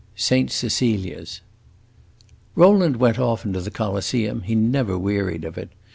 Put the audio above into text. Saint Cecilia's Rowland went often to the Coliseum; he never wearied of it.